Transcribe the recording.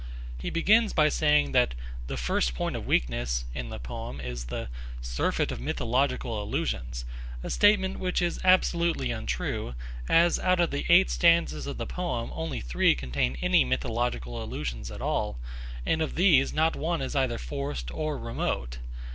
He begins by saying that 'the first point of weakness' in the poem is the 'surfeit of mythological allusions,' a statement which is absolutely untrue, as out of the eight stanzas of the poem only three contain any mythological allusions at all, and of these not one is either forced or remote.